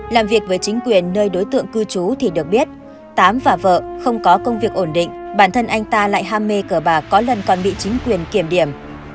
làm việc với chính quyền nơi đối tượng cư trú thì được biết tám và vợ không có công việc ổn định bản thân anh ta lại ham mê cờ bà có lần còn bị chính quyền kiểm điểm